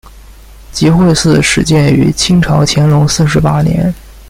集惠寺始建于清朝乾隆四十八年。